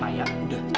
mai ya udah